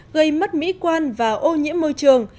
gây mất mỹ quan và ô nhiễm môi trường